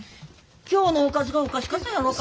今日のおかずがおかしかったんやろか？